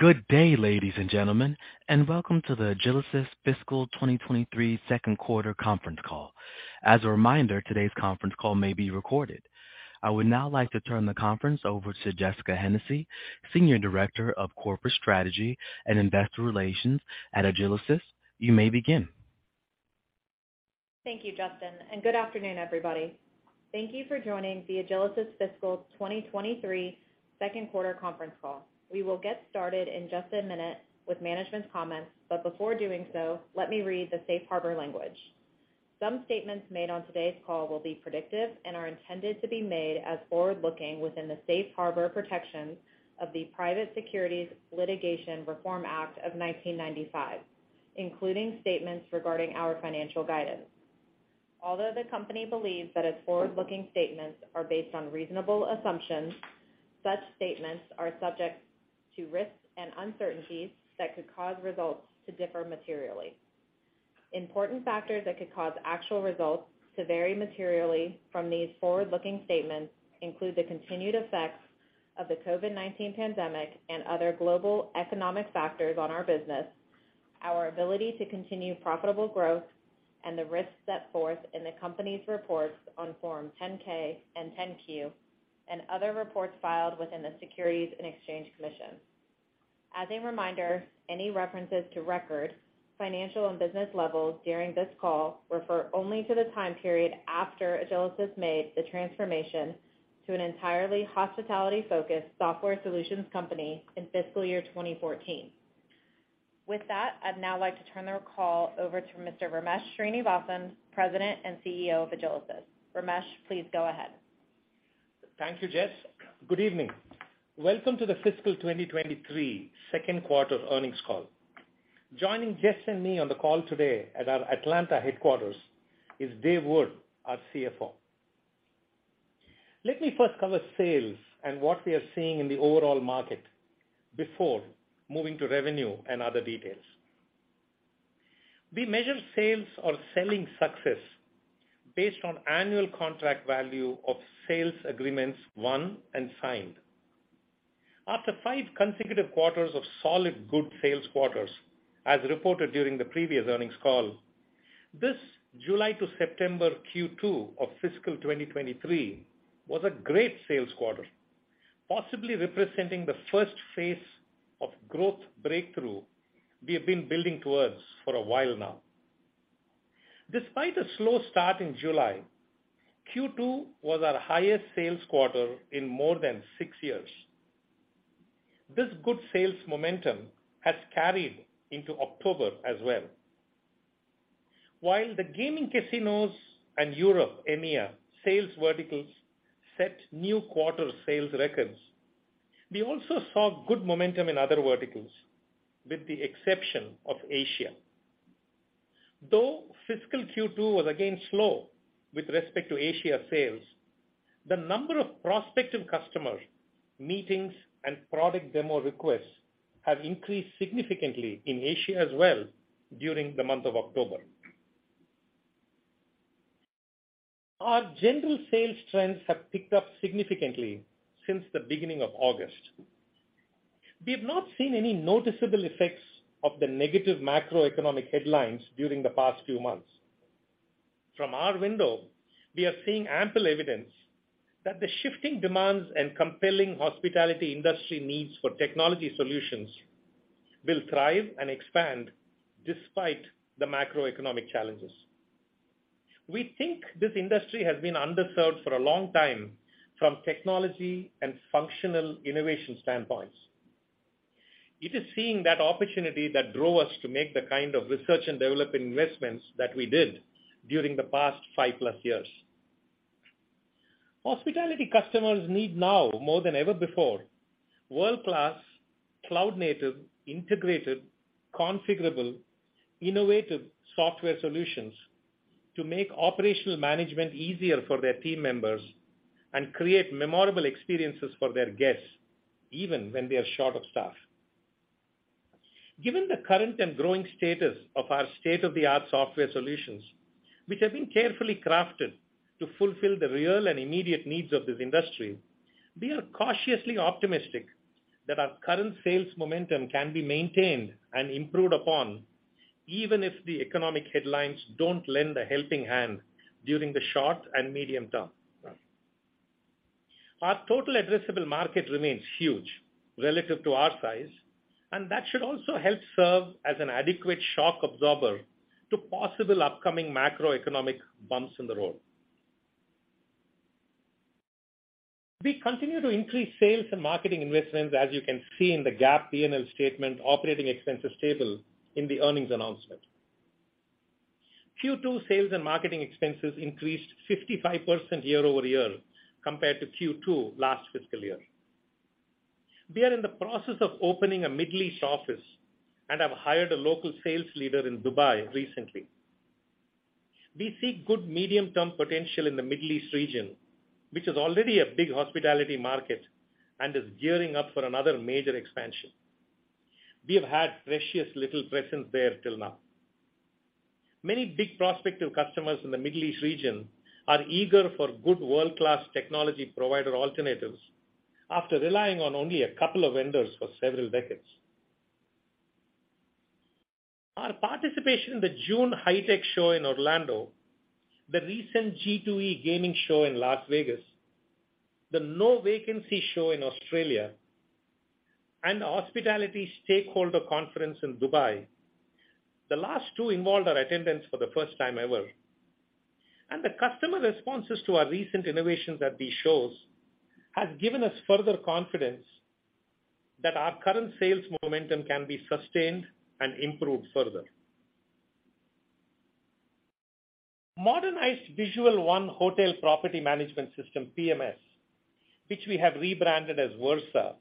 Good day, ladies and gentlemen, and welcome to the Agilysys fiscal 2023 second quarter conference call. As a reminder, today's conference call may be recorded. I would now like to turn the conference over to Jessica Hennessy, Senior Director of Corporate Strategy and Investor Relations at Agilysys. You may begin. Thank you, Justin, and good afternoon, everybody. Thank you for joining the Agilysys fiscal 2023 second quarter conference call. We will get started in just a minute with management's comments. Before doing so, let me read the safe harbor language. Some statements made on today's call will be predictive and are intended to be made as forward-looking within the safe harbor protections of the Private Securities Litigation Reform Act of 1995, including statements regarding our financial guidance. Although the company believes that its forward-looking statements are based on reasonable assumptions, such statements are subject to risks and uncertainties that could cause results to differ materially. Important factors that could cause actual results to vary materially from these forward-looking statements include the continued effects of the COVID-19 pandemic and other global economic factors on our business, our ability to continue profitable growth, and the risks set forth in the company's reports on Form 10-K and 10-Q and other reports filed with the Securities and Exchange Commission. As a reminder, any references to record financial and business levels during this call refer only to the time period after Agilysys made the transformation to an entirely hospitality-focused software solutions company in fiscal year 2014. With that, I'd now like to turn the call over to Mr. Ramesh Srinivasan, President and CEO of Agilysys. Ramesh, please go ahead. Thank you, Jess. Good evening. Welcome to the fiscal 2023 second quarter earnings call. Joining Jess and me on the call today at our Atlanta headquarters is Dave Wood, our CFO. Let me first cover sales and what we are seeing in the overall market before moving to revenue and other details. We measure sales or selling success based on annual contract value of sales agreements won and signed. After five consecutive quarters of solid good sales quarters, as reported during the previous earnings call, this July to September Q2 of fiscal 2023 was a great sales quarter, possibly representing the first phase of growth breakthrough we have been building towards for a while now. Despite a slow start in July, Q2 was our highest sales quarter in more than 6 years. This good sales momentum has carried into October as well. While the gaming casinos and Europe, EMEA, sales verticals set new quarter sales records, we also saw good momentum in other verticals, with the exception of Asia. Though fiscal Q2 was again slow with respect to Asia sales, the number of prospective customer meetings and product demo requests have increased significantly in Asia as well during the month of October. Our general sales trends have picked up significantly since the beginning of August. We have not seen any noticeable effects of the negative macroeconomic headlines during the past few months. From our window, we are seeing ample evidence that the shifting demands and compelling hospitality industry needs for technology solutions will thrive and expand despite the macroeconomic challenges. We think this industry has been underserved for a long time from technology and functional innovation standpoints. It is seeing that opportunity that drove us to make the kind of research and development investments that we did during the past 5+ years. Hospitality customers need now, more than ever before, world-class, cloud-native, integrated, configurable, innovative software solutions to make operational management easier for their team members and create memorable experiences for their guests, even when they are short of staff. Given the current and growing status of our state-of-the-art software solutions, which have been carefully crafted to fulfill the real and immediate needs of this industry, we are cautiously optimistic that our current sales momentum can be maintained and improved upon, even if the economic headlines don't lend a helping hand during the short and medium term. Our total addressable market remains huge relative to our size, and that should also help serve as an adequate shock absorber to possible upcoming macroeconomic bumps in the road. We continue to increase sales and marketing investments, as you can see in the GAAP P&L statement operating expenses table in the earnings announcement. Q2 sales and marketing expenses increased 55% year-over-year compared to Q2 last fiscal year. We are in the process of opening a Middle East office and have hired a local sales leader in Dubai recently. We see good medium-term potential in the Middle East region, which is already a big hospitality market and is gearing up for another major expansion. We have had precious little presence there till now. Many big prospective customers in the Middle East region are eager for good world-class technology provider alternatives after relying on only a couple of vendors for several decades. Our participation in the June HITEC show in Orlando, the recent G2E gaming show in Las Vegas, the NoVacancy show in Australia, and the Hospitality Stakeholder Conference in Dubai. The last two involved our attendance for the first time ever, and the customer responses to our recent innovations at these shows has given us further confidence that our current sales momentum can be sustained and improved further. Modernized Visual One hotel property management system, PMS, which we have rebranded as Versa,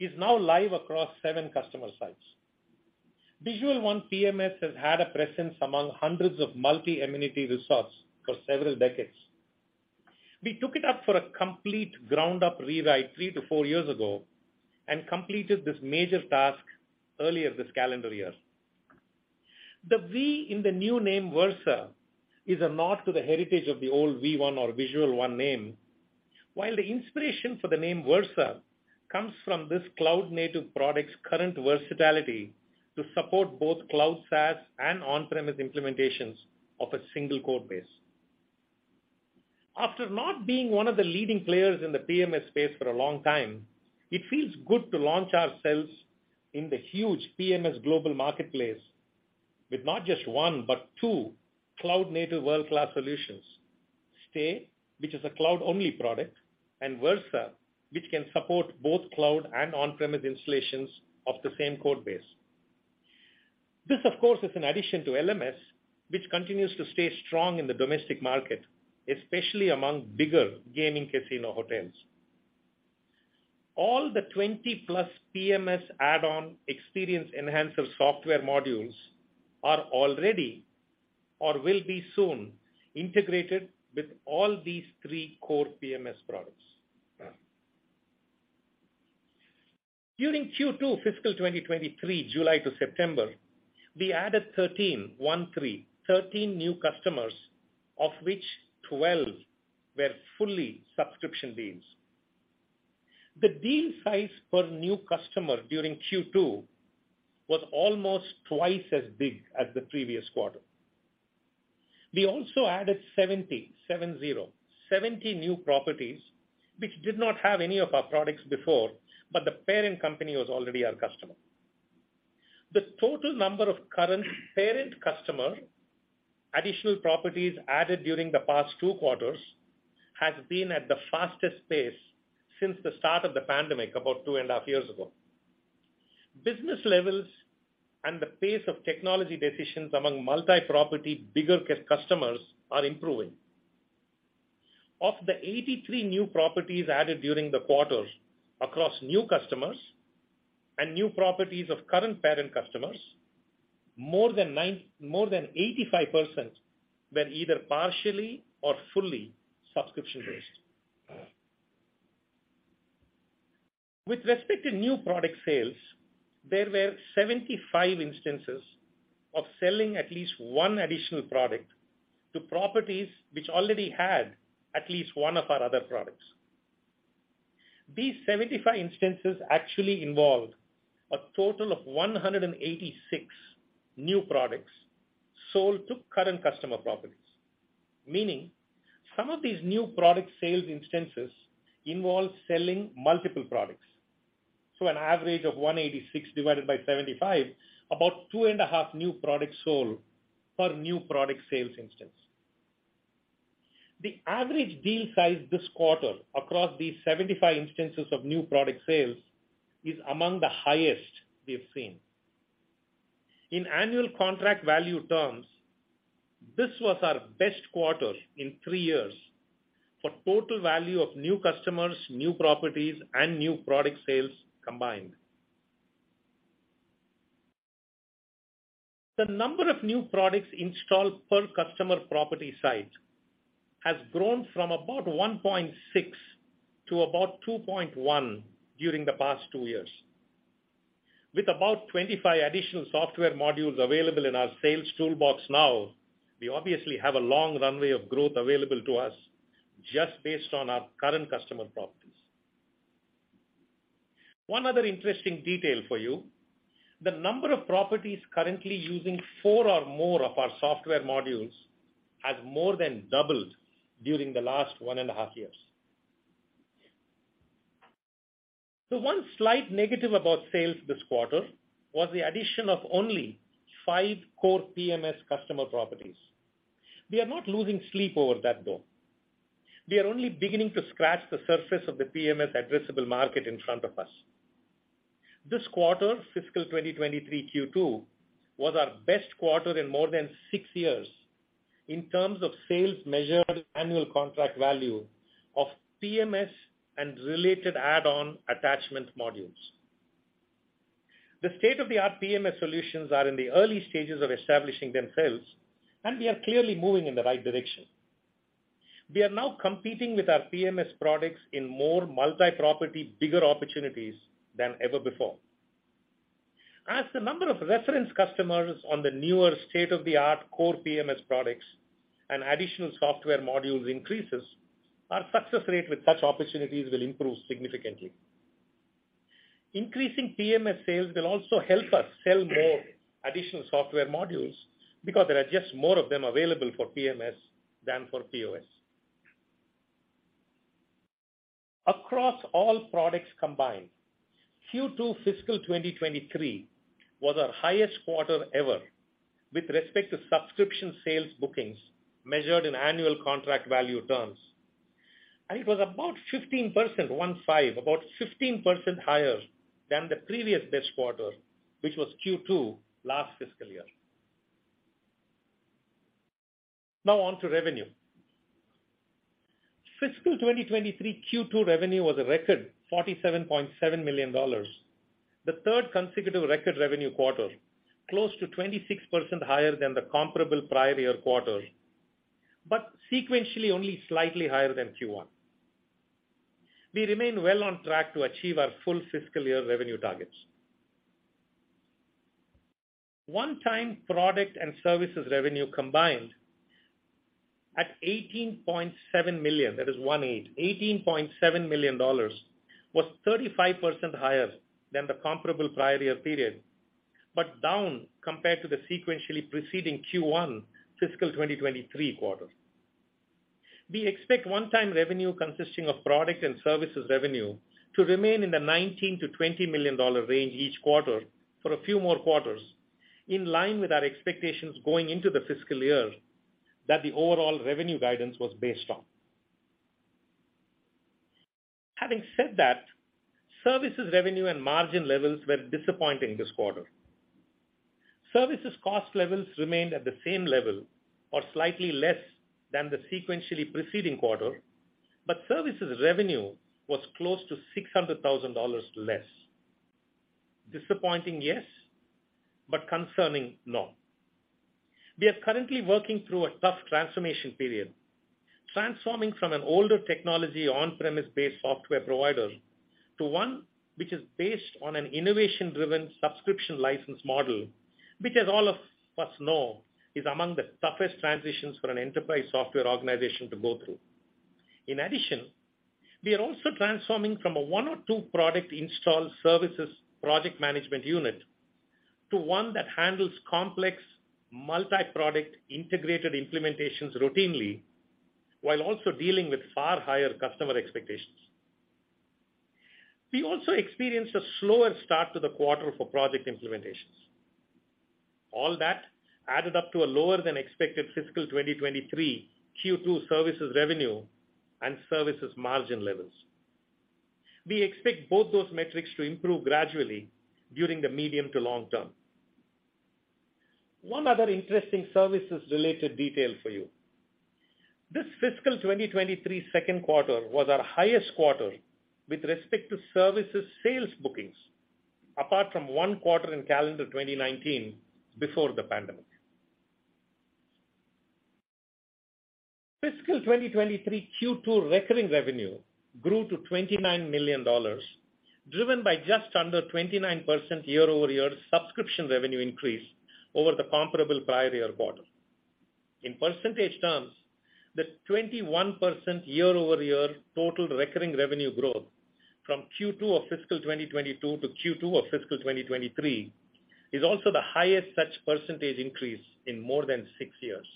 is now live across seven customer sites. Visual One PMS has had a presence among hundreds of multi-amenity resorts for several decades. We took it up for a complete ground-up rewrite 3-4 years ago and completed this major task earlier this calendar year. The V in the new name, Versa, is a nod to the heritage of the old V One or Visual One name. While the inspiration for the name Versa comes from this cloud-native product's current versatility to support both cloud SaaS and on-premise implementations of a single code base. After not being one of the leading players in the PMS space for a long time, it feels good to launch ourselves in the huge PMS global marketplace with not just one, but two cloud-native world-class solutions. Stay, which is a cloud-only product, and Versa, which can support both cloud and on-premise installations of the same code base. This, of course, is an addition to LMS, which continues to stay strong in the domestic market, especially among bigger gaming casino hotels. All the 20+ PMS add-on experience enhancer software modules are already or will be soon integrated with all these three core PMS products. During Q2 fiscal 2023, July to September, we added 13, one three, 13 new customers, of which 12 were fully subscription deals. The deal size per new customer during Q2 was almost twice as big as the previous quarter. We also added 70, seven zero, 70 new properties, which did not have any of our products before, but the parent company was already our customer. The total number of current parent customer additional properties added during the past two quarters has been at the fastest pace since the start of the pandemic about two and a half years ago. Business levels and the pace of technology decisions among multi-property bigger customers are improving. Of the 83 new properties added during the quarter across new customers and new properties of current parent customers, more than 85% were either partially or fully subscription-based. With respect to new product sales, there were 75 instances of selling at least one additional product to properties which already had at least one of our other products. These 75 instances actually involved a total of 186 new products sold to current customer properties. Meaning, some of these new product sales instances involve selling multiple products. An average of 186 divided by 75, about 2.5 new products sold per new product sales instance. The average deal size this quarter across these 75 instances of new product sales is among the highest we have seen. In annual contract value terms, this was our best quarter in three years for total value of new customers, new properties, and new product sales combined. The number of new products installed per customer property site has grown from about 1.6 to about 2.1 during the past two years. With about 25 additional software modules available in our sales toolbox now, we obviously have a long runway of growth available to us just based on our current customer properties. One other interesting detail for you, the number of properties currently using four or more of our software modules has more than doubled during the last one and a half years. The one slight negative about sales this quarter was the addition of only five core PMS customer properties. We are not losing sleep over that, though. We are only beginning to scratch the surface of the PMS addressable market in front of us. This quarter, fiscal 2023 Q2, was our best quarter in more than six years in terms of sales measured annual contract value of PMS and related add-on attachment modules. The state-of-the-art PMS solutions are in the early stages of establishing themselves, and we are clearly moving in the right direction. We are now competing with our PMS products in more multi-property, bigger opportunities than ever before. As the number of reference customers on the newer state-of-the-art core PMS products and additional software modules increases, our success rate with such opportunities will improve significantly. Increasing PMS sales will also help us sell more additional software modules because there are just more of them available for PMS than for POS. Across all products combined, Q2 fiscal 2023 was our highest quarter ever with respect to subscription sales bookings measured in annual contract value terms. It was about 15%, one five, about 15% higher than the previous best quarter, which was Q2 last fiscal year. Now on to revenue. Fiscal 2023 Q2 revenue was a record $47.7 million, the third consecutive record revenue quarter, close to 26% higher than the comparable prior year quarter, but sequentially only slightly higher than Q1. We remain well on track to achieve our full fiscal year revenue targets. One-time product and services revenue combined at $18.7 million, that is one eight, $18.7 million, was 35% higher than the comparable prior year period, but down compared to the sequentially preceding Q1 fiscal 2023 quarter. We expect one-time revenue consisting of product and services revenue to remain in the $19-$20 million range each quarter for a few more quarters, in line with our expectations going into the fiscal year that the overall revenue guidance was based on. Having said that, services revenue and margin levels were disappointing this quarter. Services cost levels remained at the same level or slightly less than the sequentially preceding quarter, but services revenue was close to $600,000 less. Disappointing, yes, but concerning, no. We are currently working through a tough transformation period. Transforming from an older technology on-premise-based software provider to one which is based on an innovation-driven subscription license model, which as all of us know, is among the toughest transitions for an enterprise software organization to go through. In addition, we are also transforming from a one or two product install services project management unit to one that handles complex multi-product integrated implementations routinely while also dealing with far higher customer expectations. We also experienced a slower start to the quarter for project implementations. All that added up to a lower than expected Fiscal 2023 Q2 services revenue and services margin levels. We expect both those metrics to improve gradually during the medium to long term. One other interesting services-related detail for you. This Fiscal 2023 second quarter was our highest quarter with respect to services sales bookings, apart from one quarter in calendar 2019 before the pandemic. Fiscal 2023 Q2 recurring revenue grew to $29 million, driven by just under 29% year-over-year subscription revenue increase over the comparable prior year quarter. In percentage terms, the 21% year-over-year total recurring revenue growth from Q2 of fiscal 2022 to Q2 of fiscal 2023 is also the highest such percentage increase in more than six years.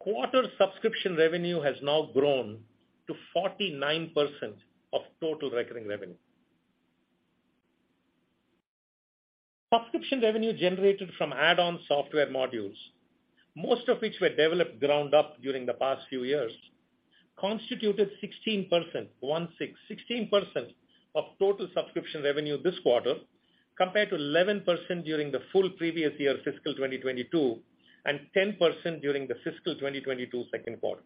Quarter subscription revenue has now grown to 49% of total recurring revenue. Subscription revenue generated from add-on software modules, most of which were developed ground up during the past few years, constituted 16% of total subscription revenue this quarter, compared to 11% during the full previous year fiscal 2022, and 10% during the fiscal 2022 second quarter.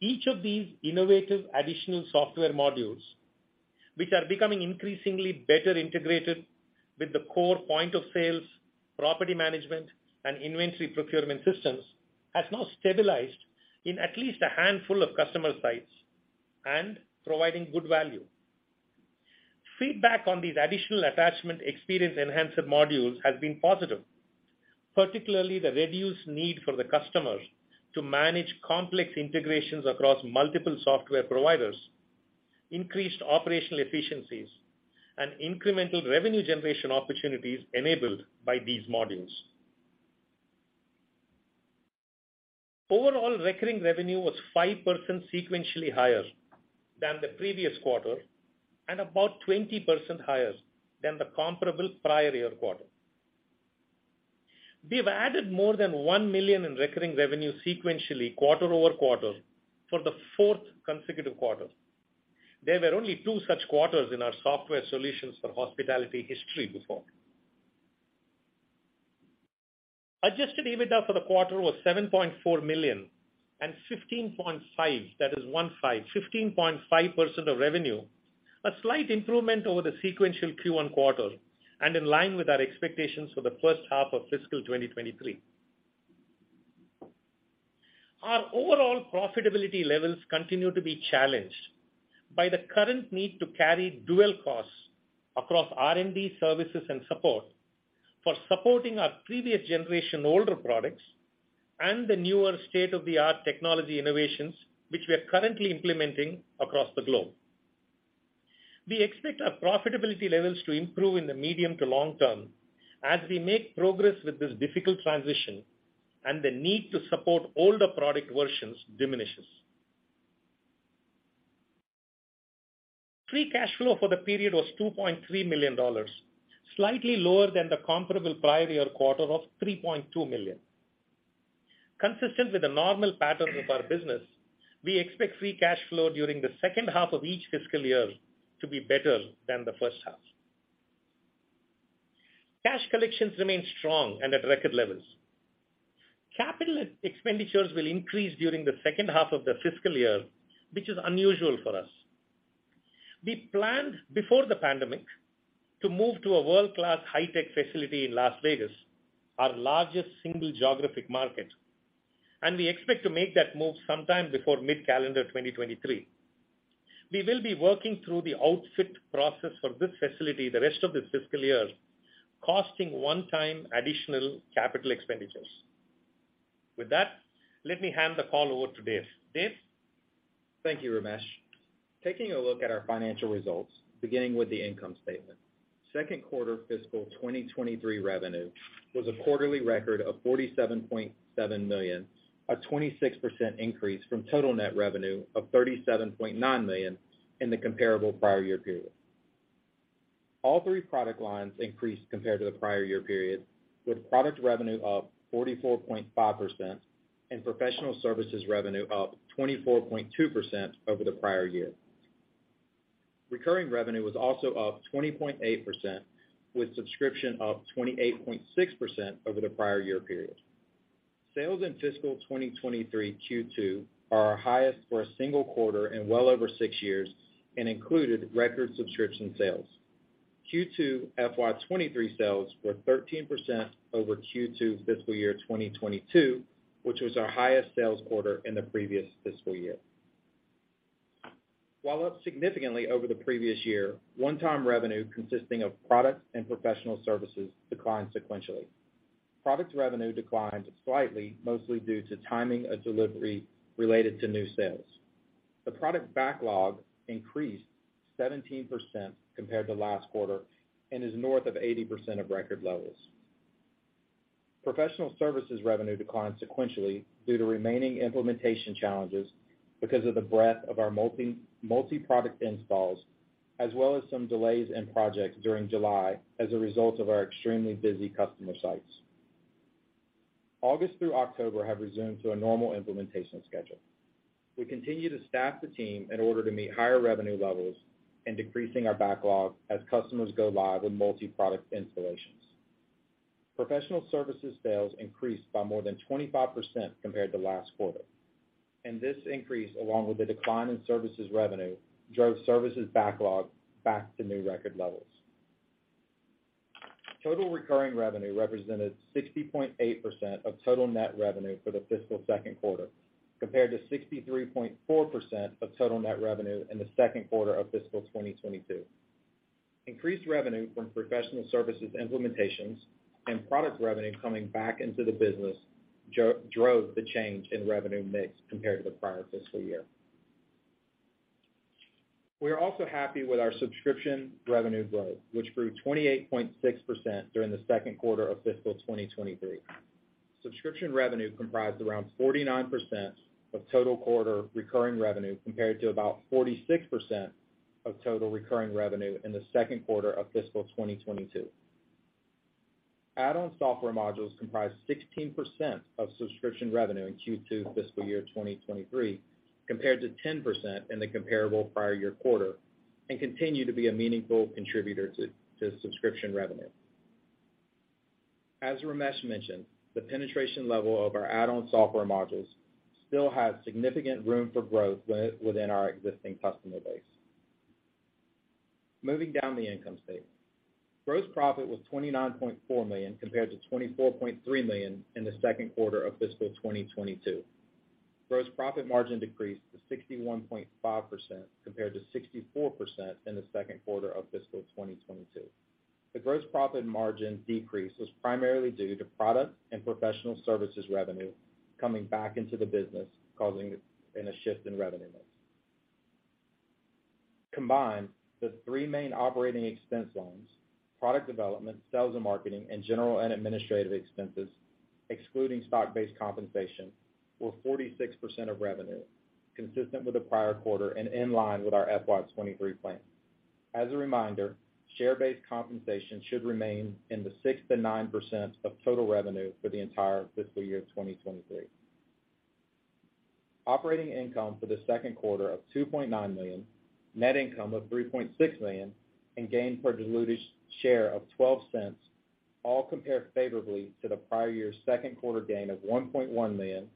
Each of these innovative additional software modules, which are becoming increasingly better integrated with the core point of sales, property management, and inventory procurement systems, has now stabilized in at least a handful of customer sites and providing good value. Feedback on these additional attachment experience enhancer modules has been positive. Particularly, the reduced need for the customers to manage complex integrations across multiple software providers, increased operational efficiencies, and incremental revenue generation opportunities enabled by these modules. Overall, recurring revenue was 5% sequentially higher than the previous quarter and about 20% higher than the comparable prior year quarter. We have added more than $1 million in recurring revenue sequentially quarter-over-quarter for the fourth consecutive quarter. There were only two such quarters in our software solutions for hospitality history before. Adjusted EBITDA for the quarter was $7.4 million and 15.5% of revenue. A slight improvement over the sequential Q1 quarter and in line with our expectations for the first half of fiscal 2023. Our overall profitability levels continue to be challenged by the current need to carry dual costs across R&D services and support for supporting our previous generation older products and the newer state-of-the-art technology innovations which we are currently implementing across the globe. We expect our profitability levels to improve in the medium to long term as we make progress with this difficult transition and the need to support older product versions diminishes. Free cash flow for the period was $2.3 million, slightly lower than the comparable prior year quarter of $3.2 million. Consistent with the normal pattern of our business, we expect free cash flow during the second half of each fiscal year to be better than the first half. Cash collections remain strong and at record levels. Capital expenditures will increase during the second half of the fiscal year, which is unusual for us. We planned before the pandemic to move to a world-class high-tech facility in Las Vegas, our largest single geographic market, and we expect to make that move sometime before mid-calendar 2023. We will be working through the outfitting process for this facility the rest of this fiscal year, costing one-time additional capital expenditures. With that, let me hand the call over to Dave. Dave? Thank you, Ramesh. Taking a look at our financial results, beginning with the income statement. Second quarter fiscal 2023 revenue was a quarterly record of $47.7 million, a 26% increase from total net revenue of $37.9 million in the comparable prior year period. All three product lines increased compared to the prior year period, with product revenue up 44.5% and professional services revenue up 24.2% over the prior year. Recurring revenue was also up 20.8%, with subscription up 28.6% over the prior year period. Sales in fiscal 2023 Q2 are our highest for a single quarter in well over six years and included record subscription sales. Q2 FY 2023 sales were 13% over Q2 fiscal year 2022, which was our highest sales quarter in the previous fiscal year. While up significantly over the previous year, one-time revenue consisting of product and professional services declined sequentially. Product revenue declined slightly, mostly due to timing of delivery related to new sales. The product backlog increased 17% compared to last quarter and is north of 80% of record levels. Professional services revenue declined sequentially due to remaining implementation challenges because of the breadth of our multi-product installs, as well as some delays in projects during July as a result of our extremely busy customer sites. August through October have resumed to a normal implementation schedule. We continue to staff the team in order to meet higher revenue levels and decreasing our backlog as customers go live with multi-product installations. Professional services sales increased by more than 25% compared to last quarter, and this increase, along with the decline in services revenue, drove services backlog back to new record levels. Total recurring revenue represented 60.8% of total net revenue for the fiscal second quarter, compared to 63.4% of total net revenue in the second quarter of fiscal 2022. Increased revenue from professional services implementations and product revenue coming back into the business drove the change in revenue mix compared to the prior fiscal year. We are also happy with our subscription revenue growth, which grew 28.6% during the second quarter of fiscal 2023. Subscription revenue comprised around 49% of total quarterly recurring revenue compared to about 46% of total recurring revenue in the second quarter of fiscal 2022. Add-on software modules comprised 16% of subscription revenue in Q2 fiscal year 2023, compared to 10% in the comparable prior year quarter, and continue to be a meaningful contributor to subscription revenue. As Ramesh mentioned, the penetration level of our add-on software modules still have significant room for growth within our existing customer base. Moving down the income statement. Gross profit was $29.4 million, compared to $24.3 million in the second quarter of fiscal 2022. Gross profit margin decreased to 61.5%, compared to 64% in the second quarter of fiscal 2022. The gross profit margin decrease was primarily due to product and professional services revenue coming back into the business, causing a shift in revenue mix. Combined, the three main operating expense lines, product development, sales and marketing, and general and administrative expenses, excluding stock-based compensation, were 46% of revenue, consistent with the prior quarter and in line with our FY 2023 plan. As a reminder, share-based compensation should remain in the 6%-9% of total revenue for the entire fiscal year 2023. Operating income for the second quarter of $2.9 million, net income of $3.6 million, and earnings per diluted share of $0.12. All compare favorably to the prior year's second quarter gain of $1.1 million,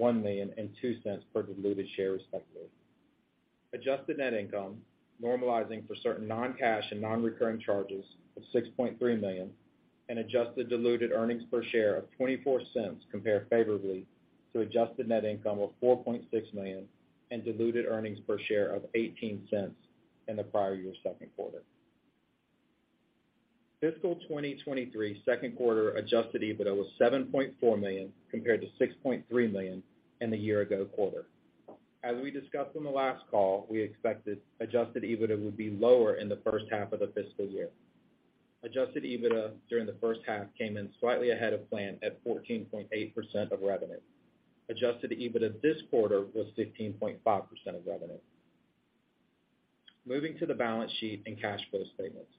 $1 million and $0.02 per diluted share, respectively. Adjusted net income normalizing for certain non-cash and non-recurring charges of $6.3 million and adjusted diluted earnings per share of $0.24 compare favorably to adjusted net income of $4.6 million and diluted earnings per share of $0.18 in the prior year's second quarter. Fiscal 2023 second quarter Adjusted EBITDA was $7.4 million compared to $6.3 million in the year ago quarter. We discussed on the last call we expected Adjusted EBITDA would be lower in the first half of the fiscal year. Adjusted EBITDA during the first half came in slightly ahead of plan at 14.8% of revenue. Adjusted EBITDA this quarter was 16.5% of revenue. Moving to the balance sheet and cash flow statements.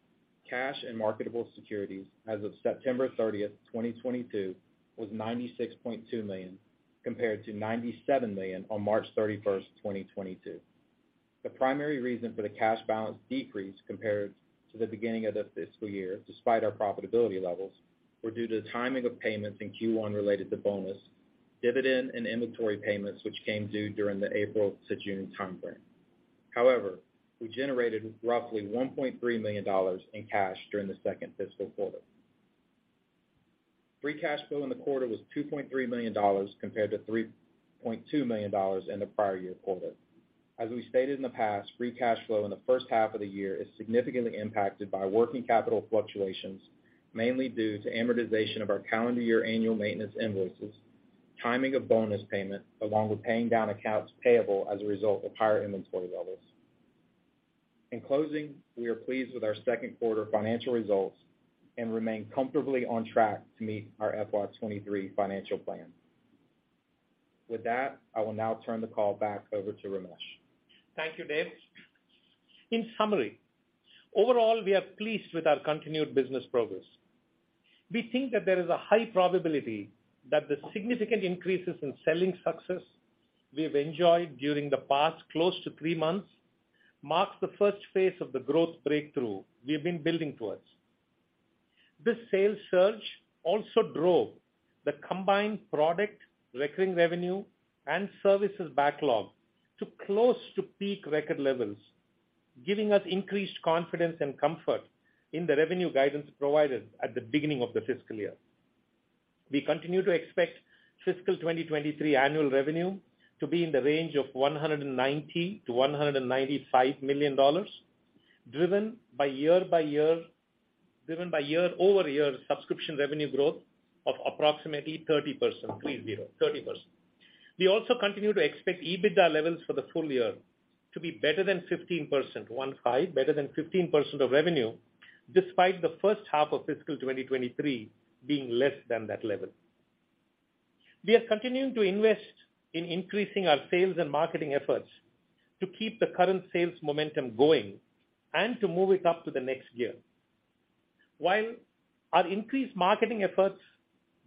Cash and marketable securities as of September 30th, 2022 was $96.2 million, compared to $97 million on March 31st, 2022. The primary reason for the cash balance decrease compared to the beginning of the fiscal year, despite our profitability levels, were due to the timing of payments in Q1 related to bonus, dividend and inventory payments, which came due during the April to June timeframe. However, we generated roughly $1.3 million in cash during the second fiscal quarter. Free cash flow in the quarter was $2.3 million compared to $3.2 million in the prior year quarter. As we stated in the past, free cash flow in the first half of the year is significantly impacted by working capital fluctuations, mainly due to amortization of our calendar year annual maintenance invoices, timing of bonus payment, along with paying down accounts payable as a result of higher inventory levels. In closing, we are pleased with our second quarter financial results and remain comfortably on track to meet our FY 2023 financial plan. With that, I will now turn the call back over to Ramesh. Thank you, Dave. In summary, overall, we are pleased with our continued business progress. We think that there is a high probability that the significant increases in selling success we have enjoyed during the past close to three months marks the first phase of the growth breakthrough we've been building towards. This sales surge also drove the combined product, recurring revenue and services backlog to close to peak record levels, giving us increased confidence and comfort in the revenue guidance provided at the beginning of the fiscal year. We continue to expect fiscal 2023 annual revenue to be in the range of $190 million-$195 million, driven by year-over-year subscription revenue growth of approximately 30%. We also continue to expect EBITDA levels for the full year to be better than 15%, one five, better than 15% of revenue, despite the first half of fiscal 2023 being less than that level. We are continuing to invest in increasing our sales and marketing efforts to keep the current sales momentum going and to move it up to the next gear. While our increased marketing efforts,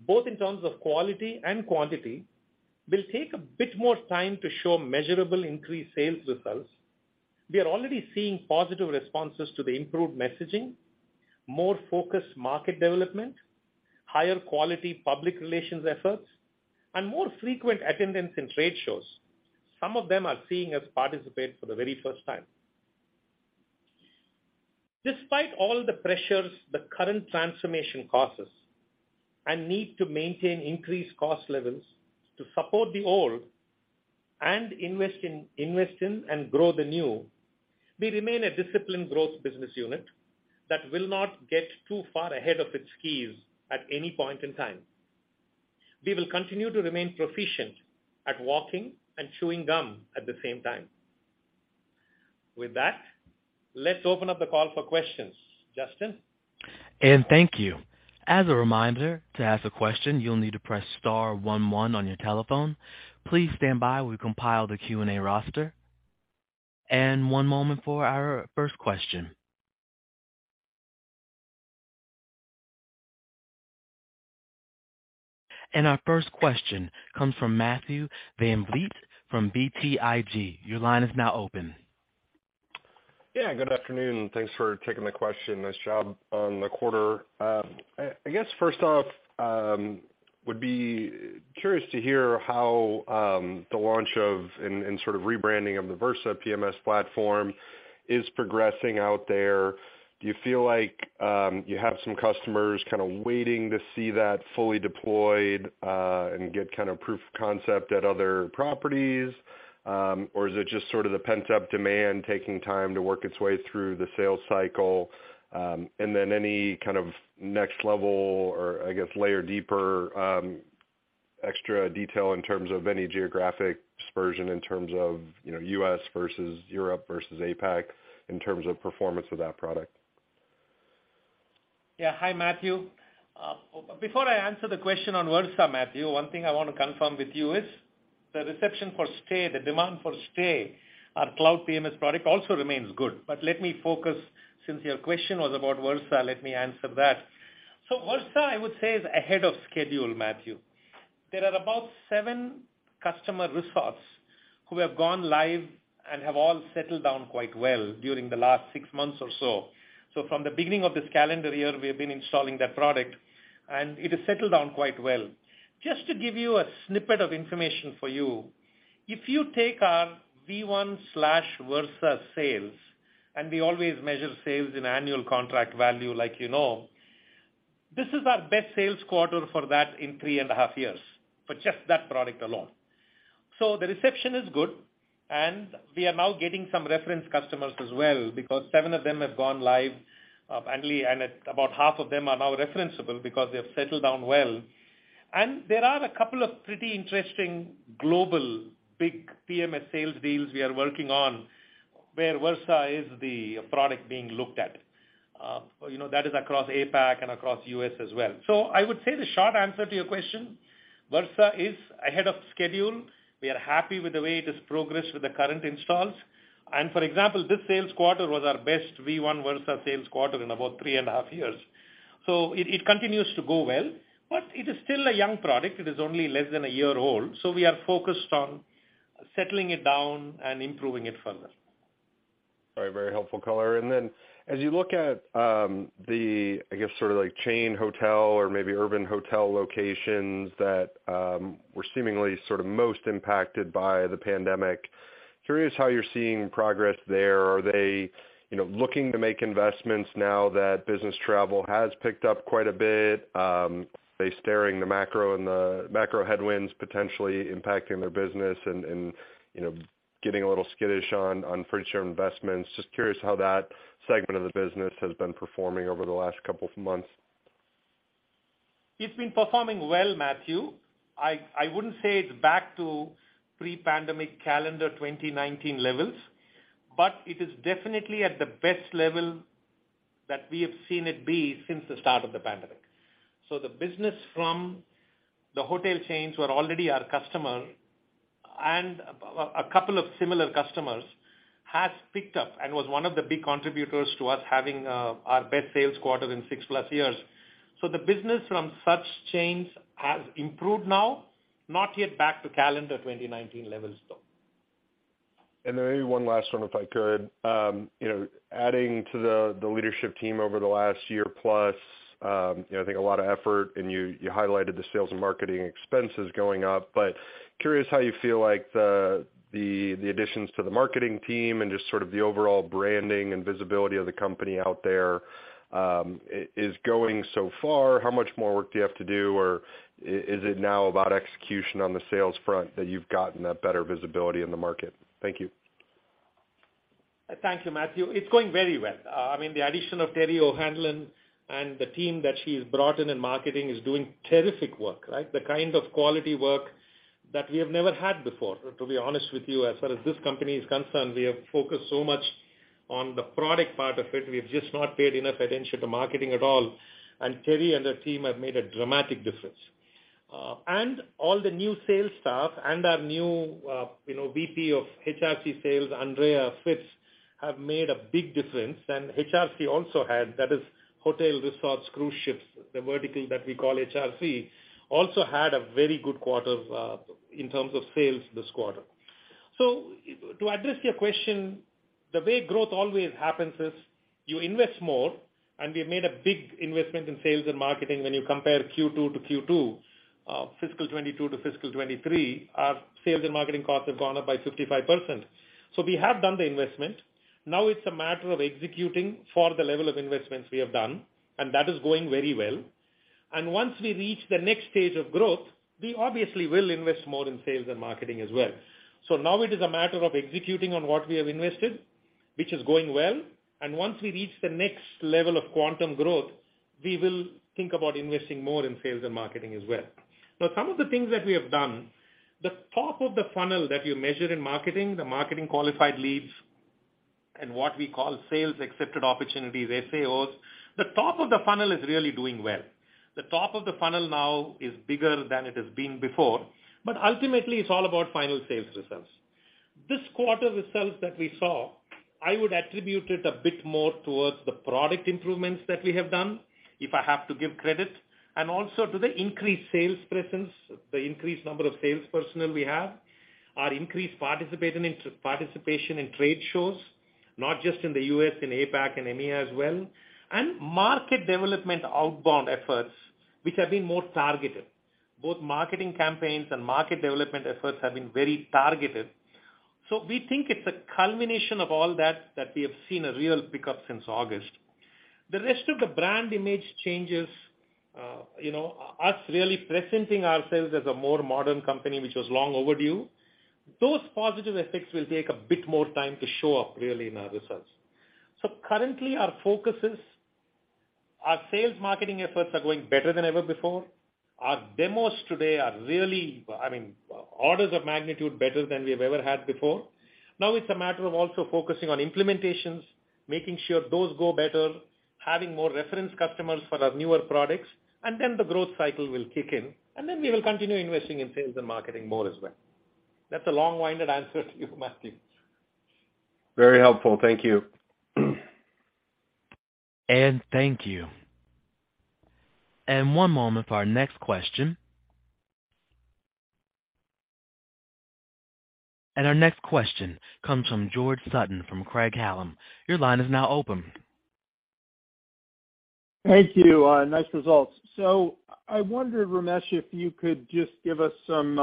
both in terms of quality and quantity, will take a bit more time to show measurable increased sales results, we are already seeing positive responses to the improved messaging, more focused market development, higher quality public relations efforts, and more frequent attendance in trade shows. Some of them are seeing us participate for the very first time. Despite all the pressures the current transformation causes and need to maintain increased cost levels to support the old and invest in and grow the new, we remain a disciplined growth business unit that will not get too far ahead of its skis at any point in time. We will continue to remain proficient at walking and chewing gum at the same time. With that, let's open up the call for questions. Justin? Thank you. As a reminder, to ask a question, you'll need to press star one one on your telephone. Please stand by while we compile the Q&A roster. One moment for our first question. Our first question comes from Matthew VanVliet from BTIG. Your line is now open. Yeah, good afternoon, and thanks for taking the question. Nice job on the quarter. I guess first off, would be curious to hear how the launch and sort of rebranding of the Versa PMS platform is progressing out there. Do you feel like you have some customers kinda waiting to see that fully deployed and get kinda proof of concept at other properties? Is it just sort of the pent-up demand taking time to work its way through the sales cycle? Any kind of next level or I guess layer deeper, extra detail in terms of any geographic dispersion in terms of, you know, U.S. versus Europe versus APAC in terms of performance with that product? Yeah. Hi, Matthew. Before I answer the question on Versa, Matthew, one thing I wanna confirm with you is the reception for Stay, the demand for Stay, our cloud PMS product, also remains good. Let me focus since your question was about Versa, let me answer that. Versa, I would say is ahead of schedule, Matthew. There are about seven customer resorts who have gone live and have all settled down quite well during the last six months or so. From the beginning of this calendar year, we have been installing that product, and it has settled down quite well. Just to give you a snippet of information for you, if you take our V1/Versa sales, and we always measure sales in annual contract value like you know, this is our best sales quarter for that in three and a half years for just that product alone. The reception is good, and we are now getting some reference customers as well because seven of them have gone live annually, and about half of them are now referenceable because they have settled down well. There are a couple of pretty interesting global big PMS sales deals we are working on where Versa is the product being looked at. You know, that is across APAC and across U.S. as well. I would say the short answer to your question, Versa is ahead of schedule. We are happy with the way it has progressed with the current installs. For example, this sales quarter was our best V1 Versa sales quarter in about 3.5 years. It continues to go well, but it is still a young product. It is only less than a year old, so we are focused on settling it down and improving it further. Very, very helpful color. As you look at the, I guess, sort of like chain hotel or maybe urban hotel locations that were seemingly sort of most impacted by the pandemic, curious how you're seeing progress there? Are they, you know, looking to make investments now that business travel has picked up quite a bit? Are they staring the macro headwinds potentially impacting their business and you know, getting a little skittish on pretty sure investments? Just curious how that segment of the business has been performing over the last couple of months. It's been performing well, Matthew. I wouldn't say it's back to pre-pandemic calendar 2019 levels, but it is definitely at the best level that we have seen it be since the start of the pandemic. The business from the hotel chains who are already our customer and a couple of similar customers has picked up and was one of the big contributors to us having our best sales quarter in 6+ years. The business from such chains has improved now, not yet back to calendar 2019 levels, though. Maybe one last one, if I could. You know, adding to the leadership team over the last year plus, you know, I think a lot of effort, and you highlighted the sales and marketing expenses going up. Curious how you feel like the additions to the marketing team and just sort of the overall branding and visibility of the company out there is going so far. How much more work do you have to do? Or is it now about execution on the sales front that you've gotten a better visibility in the market? Thank you. Thank you, Matthew. It's going very well. I mean, the addition of Terrie O'Hanlon and the team that she's brought in in marketing is doing terrific work, right? The kind of quality work that we have never had before, to be honest with you. As far as this company is concerned, we have focused so much on the product part of it, we've just not paid enough attention to marketing at all. Terrie and her team have made a dramatic difference. All the new sales staff and our new, you know, VP of HRC sales, Andrea Fitz, have made a big difference. HRC, that is hotel resorts, cruise ships, the vertical that we call HRC, also had a very good quarter in terms of sales this quarter. To address your question, the way growth always happens is you invest more, and we've made a big investment in sales and marketing when you compare Q2 to Q2, fiscal 2022 to fiscal 2023. Our sales and marketing costs have gone up by 55%. We have done the investment. Now it's a matter of executing for the level of investments we have done, and that is going very well. Once we reach the next stage of growth, we obviously will invest more in sales and marketing as well. Now it is a matter of executing on what we have invested, which is going well. Once we reach the next level of quantum growth, we will think about investing more in sales and marketing as well. Now, some of the things that we have done, the top of the funnel that you measure in marketing, the marketing qualified leads and what we call sales accepted opportunities, SAOs, the top of the funnel is really doing well. The top of the funnel now is bigger than it has been before, but ultimately, it's all about final sales results. This quarter results that we saw, I would attribute it a bit more towards the product improvements that we have done, if I have to give credit, and also to the increased sales presence, the increased number of sales personnel we have, our increased participation in trade shows, not just in the U.S., in APAC and EMEA as well, and market development outbound efforts, which have been more targeted. Both marketing campaigns and market development efforts have been very targeted. We think it's a culmination of all that we have seen a real pickup since August. The rest of the brand image changes, you know, us really presenting ourselves as a more modern company, which was long overdue. Those positive effects will take a bit more time to show up really in our results. Currently, our focus is our sales marketing efforts are going better than ever before. Our demos today are really, I mean, orders of magnitude better than we've ever had before. Now it's a matter of also focusing on implementations, making sure those go better, having more reference customers for our newer products, and then the growth cycle will kick in, and then we will continue investing in sales and marketing more as well. That's a long-winded answer to you, Matthew. Very helpful. Thank you. Thank you. One moment for our next question. Our next question comes from George Sutton from Craig-Hallum. Your line is now open. Thank you. Nice results. I wondered, Ramesh, if you could just give us some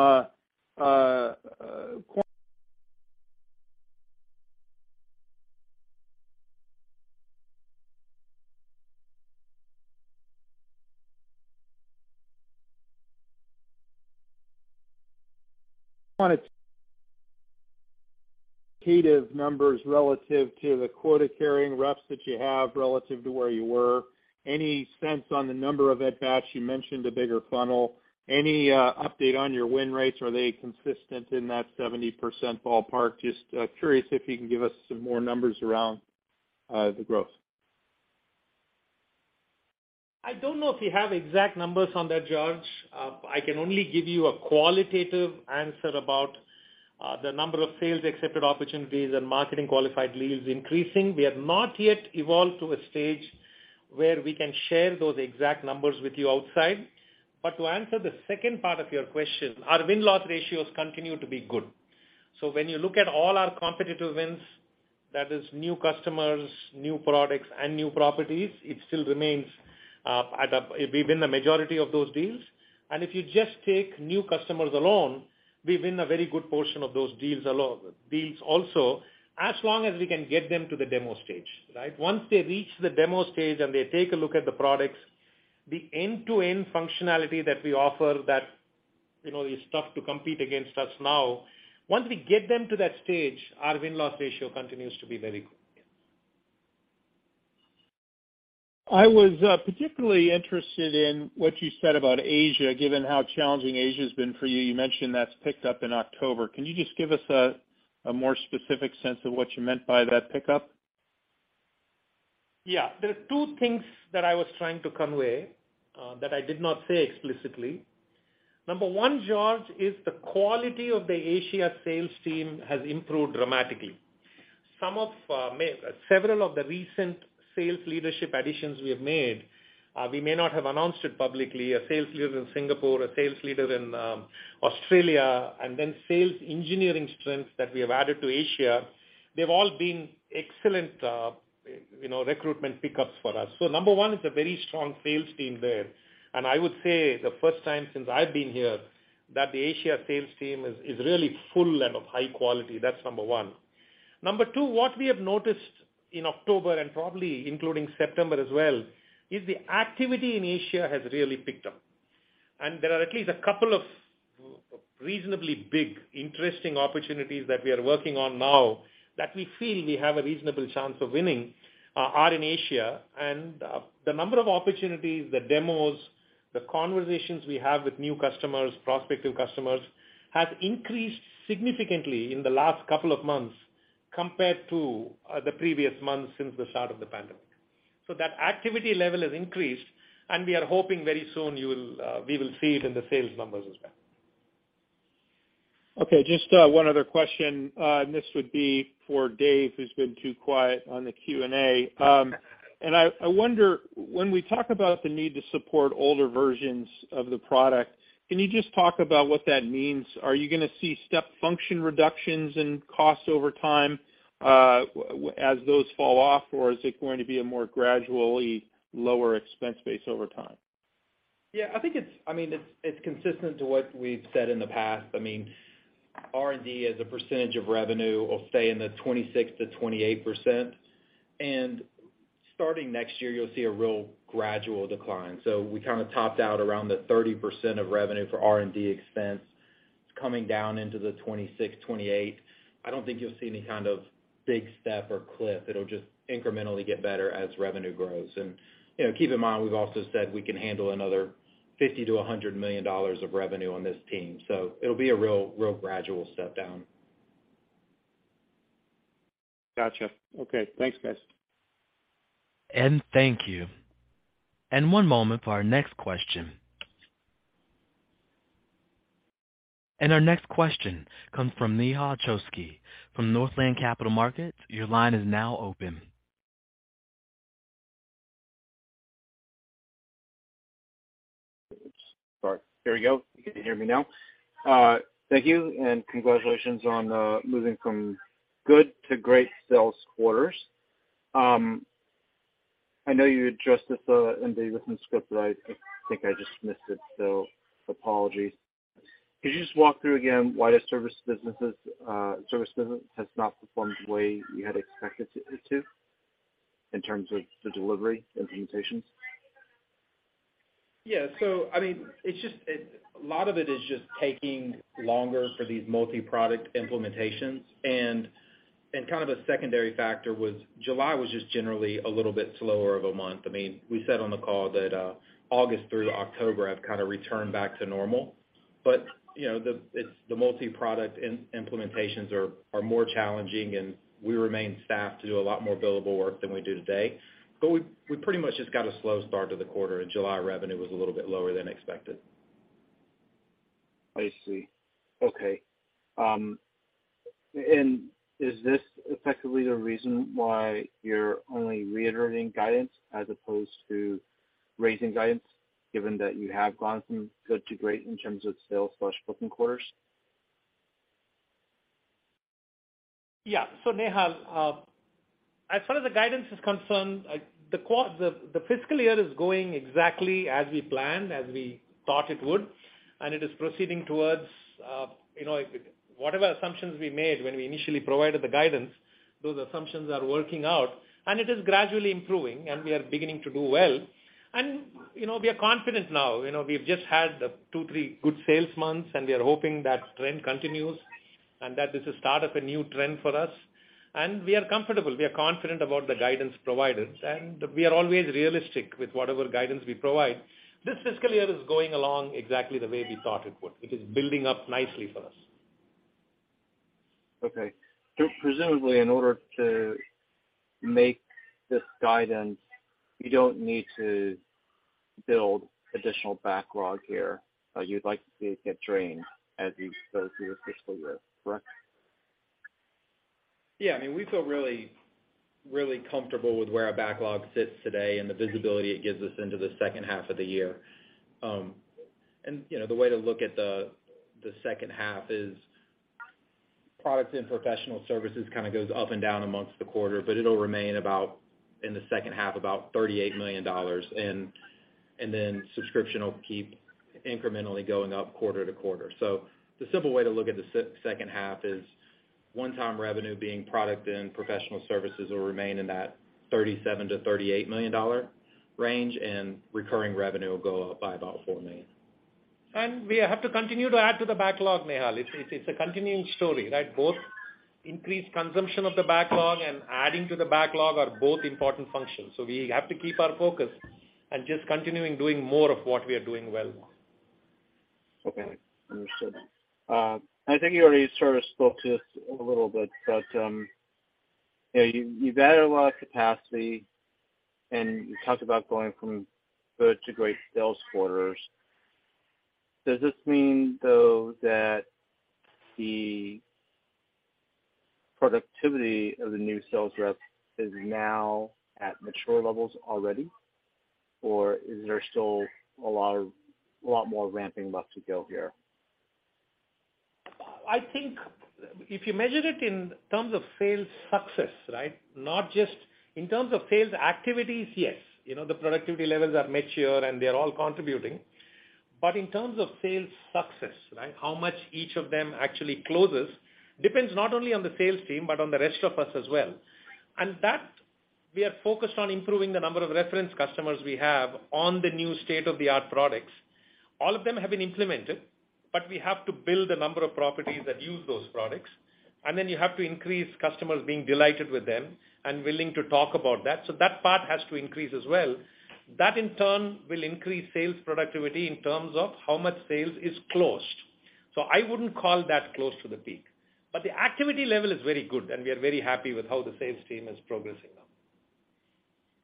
quantitative numbers relative to the quota-carrying reps that you have relative to where you were. Any sense on the number of at-bats? You mentioned a bigger funnel. Any update on your win rates? Are they consistent in that 70% ballpark? Just curious if you can give us some more numbers around the growth. I don't know if we have exact numbers on that, George. I can only give you a qualitative answer about the number of Sales Accepted Opportunities and Marketing Qualified Leads increasing. We have not yet evolved to a stage where we can share those exact numbers with you outside. To answer the second part of your question, our win-loss ratios continue to be good. When you look at all our competitive wins, that is new customers, new products, and new properties, it still remains, we win the majority of those deals. If you just take new customers alone, we win a very good portion of those deals a lot. Deals also, as long as we can get them to the demo stage, right? Once they reach the demo stage and they take a look at the products, the end-to-end functionality that we offer that, you know, is tough to compete against us now. Once we get them to that stage, our win-loss ratio continues to be very good, yes. I was particularly interested in what you said about Asia, given how challenging Asia has been for you. You mentioned that's picked up in October. Can you just give us a more specific sense of what you meant by that pickup? Yeah. There are two things that I was trying to convey that I did not say explicitly. Number one, George, is the quality of the Asia sales team has improved dramatically. Several of the recent sales leadership additions we have made, we may not have announced it publicly. A sales leader in Singapore, a sales leader in Australia, and then sales engineering strengths that we have added to Asia, they've all been excellent, you know, recruitment pickups for us. Number one, it's a very strong sales team there. I would say the first time since I've been here that the Asia sales team is really full and of high quality. That's number one. Number two, what we have noticed in October and probably including September as well, is the activity in Asia has really picked up. There are at least a couple of reasonably big interesting opportunities that we are working on now that we feel we have a reasonable chance of winning, are in Asia. The number of opportunities, the demos, the conversations we have with new customers, prospective customers, has increased significantly in the last couple of months compared to the previous months since the start of the pandemic. That activity level has increased, and we are hoping very soon we will see it in the sales numbers as well. Okay, just one other question. This would be for Dave, who's been too quiet on the Q&A. I wonder when we talk about the need to support older versions of the product, can you just talk about what that means? Are you gonna see step function reductions in costs over time, as those fall off, or is it going to be a more gradually lower expense base over time? I think it's, I mean, it's consistent to what we've said in the past. I mean, R&D as a percentage of revenue will stay in the 26%-28%. Starting next year, you'll see a real gradual decline. We kinda topped out around the 30% of revenue for R&D expense. It's coming down into the 26%-28%. I don't think you'll see any kind of big step or cliff. It'll just incrementally get better as revenue grows. You know, keep in mind, we've also said we can handle another $50 million-$100 million of revenue on this team. It'll be a real gradual step down. Gotcha. Okay, thanks, guys. Thank you. One moment for our next question. Our next question comes from Nehal Chokshi from Northland Capital Markets. Your line is now open. Oops, sorry. There we go. You can hear me now. Thank you, and congratulations on moving from good to great sales quarters. I know you addressed this in the written script, but I think I just missed it, so apologies. Could you just walk through again why the service business has not performed the way you had expected it to in terms of the delivery implementations? Yeah. I mean, it's just a lot of it is just taking longer for these multi-product implementations. Kind of a secondary factor was July was just generally a little bit slower of a month. I mean, we said on the call that August through October have kinda returned back to normal. You know, it's the multi-product implementations are more challenging, and we remain staffed to do a lot more billable work than we do today. We pretty much just got a slow start to the quarter, and July revenue was a little bit lower than expected. I see. Okay. Is this effectively the reason why you're only reiterating guidance as opposed to raising guidance, given that you have gone from good to great in terms of sales/booking quarters? Yeah. Nehal, as far as the guidance is concerned, like the fiscal year is going exactly as we planned, as we thought it would. It is proceeding towards, you know, whatever assumptions we made when we initially provided the guidance, those assumptions are working out and it is gradually improving and we are beginning to do well. You know, we are confident now. You know, we've just had, two, three good sales months, and we are hoping that trend continues and that this is start of a new trend for us. We are comfortable. We are confident about the guidance provided, and we are always realistic with whatever guidance we provide. This fiscal year is going along exactly the way we thought it would. It is building up nicely for us. Okay. Presumably in order to make this guidance, you don't need to build additional backlog here. You'd like to see it get drained as you go through your fiscal year, correct? Yeah. I mean, we feel really, really comfortable with where our backlog sits today and the visibility it gives us into the second half of the year. You know, the way to look at the second half is products and professional services kinda goes up and down among the quarters, but it'll remain about, in the second half, about $38 million. And then subscription will keep incrementally going up quarter to quarter. The simple way to look at the second half is one-time revenue being product and professional services will remain in that $37-$38 million range, and recurring revenue will go up by about $4 million. We have to continue to add to the backlog, Nehal. It's a continuing story, right? Both increased consumption of the backlog and adding to the backlog are both important functions. We have to keep our focus and just continuing doing more of what we are doing well. Okay. Understood. I think you already sort of spoke to this a little bit, but you know, you've added a lot of capacity, and you talked about going from good to great sales quarters. Does this mean, though, that the productivity of the new sales rep is now at mature levels already, or is there still a lot more ramping left to go here? I think if you measure it in terms of sales success, right? Not just in terms of sales activities, yes. You know, the productivity levels are mature, and they're all contributing. In terms of sales success, right, how much each of them actually closes depends not only on the sales team, but on the rest of us as well. That we are focused on improving the number of reference customers we have on the new state-of-the-art products. All of them have been implemented, but we have to build the number of properties that use those products, and then you have to increase customers being delighted with them and willing to talk about that. That part has to increase as well. That in turn will increase sales productivity in terms of how much sales is closed. I wouldn't call that close to the peak. The activity level is very good, and we are very happy with how the sales team is progressing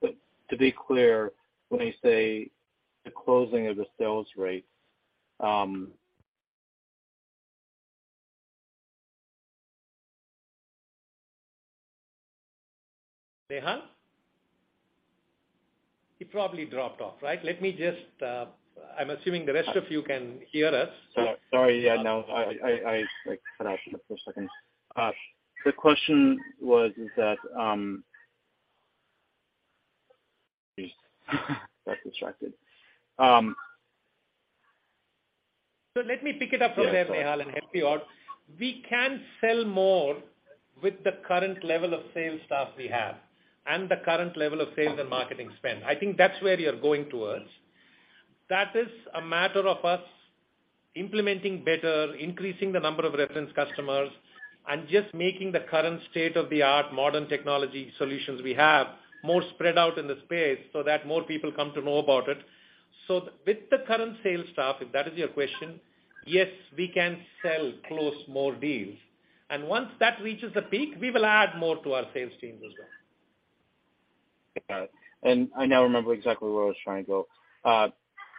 now. To be clear, when I say the closing of the sales rate, Nehal? He probably dropped off, right? Let me just, I'm assuming the rest of you can hear us. Sorry, yeah, no, I like cut out for a second. The question was is that. Got distracted. Let me pick it up from there, Nehal, and help you out. We can sell more with the current level of sales staff we have and the current level of sales and marketing spend. I think that's where you're going towards. That is a matter of us implementing better, increasing the number of reference customers, and just making the current state-of-the-art modern technology solutions we have more spread out in the space so that more people come to know about it. With the current sales staff, if that is your question, yes, we can sell, close more deals. Once that reaches the peak, we will add more to our sales team as well. Got it. I now remember exactly where I was trying to go.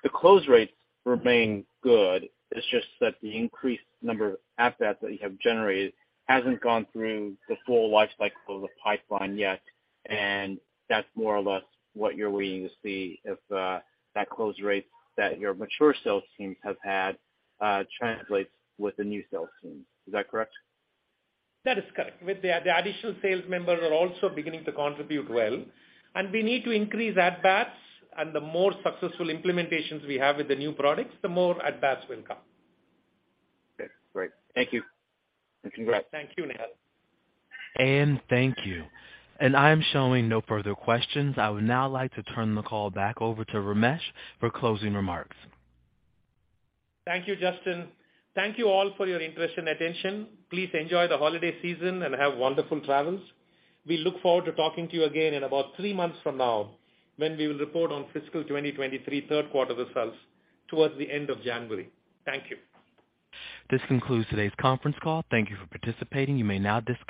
The close rates remain good. It's just that the increased number of assets that you have generated hasn't gone through the full lifecycle of the pipeline yet, and that's more or less what you're waiting to see if that close rate that your mature sales teams have had translates with the new sales teams. Is that correct? That is correct. With the additional sales members are also beginning to contribute well, and we need to increase at-bats, and the more successful implementations we have with the new products, the more at-bats will come. Okay, great. Thank you. Congrats. Thank you, Nehal. Thank you. I am showing no further questions. I would now like to turn the call back over to Ramesh for closing remarks. Thank you, Justin. Thank you all for your interest and attention. Please enjoy the holiday season and have wonderful travels. We look forward to talking to you again in about three months from now when we will report on fiscal 2023 third quarter results towards the end of January. Thank you. This concludes today's conference call. Thank you for participating. You may now disconnect.